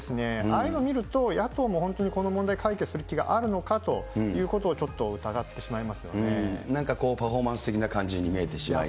ああいうの見ると、野党も本当にこの問題、解決する気があるのかということを、ちょっと疑ってしなんか、パフォーマンス的な感じに見えてしまう。